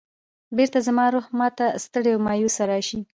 بېرته زما روح ما ته ستړی او مایوسه راشي.